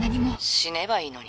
死ねばいいのに。